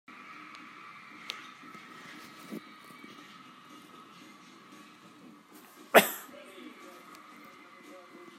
Mah tlamtlin lonak phuan hi a har ngai nain a ṭha.